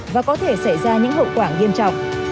và có thể xảy ra những hậu quả nghiêm trọng